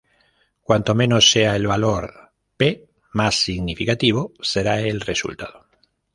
Cuanto menor sea el valor "p", más significativo será el resultado.